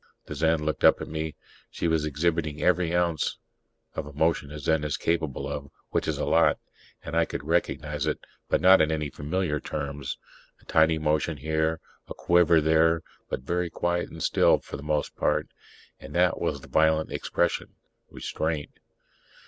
The Zen looked up at me. She was exhibiting every ounce of emotion a Zen is capable of, which is a lot; and I could recognize it, but not in any familiar terms. A tiny motion here, a quiver there, but very quiet and still for the most part. And that was the violent expression: restraint.